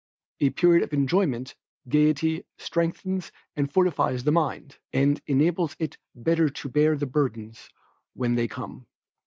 A period of enjoyment, gayety, strengthens and fortifies the mind, and enables it better to bear the burdens when they come.